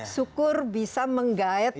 syukur bisa menggayat